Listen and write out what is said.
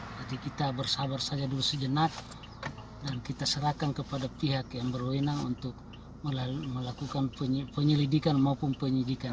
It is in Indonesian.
jadi kita bersabar saja dulu sejenak dan kita serahkan kepada pihak yang berwenang untuk melakukan penyelidikan maupun penyidikan